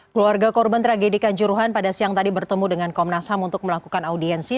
keluarga korban tragedi kanjuruhan pada siang tadi bertemu dengan komnas ham untuk melakukan audiensi